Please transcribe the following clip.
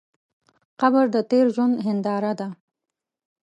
قبر د تېر ژوند هنداره ده.